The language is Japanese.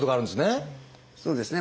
そうですね。